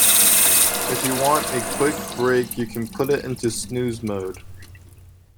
If you want a quick break you can put it into snooze mode.